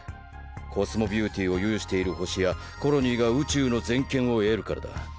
コスモビューティーを有している星やコロニーが宇宙の全権を得るからだ。